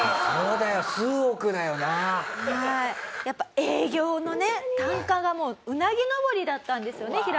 やっぱ営業のね単価がもううなぎのぼりだったんですよね？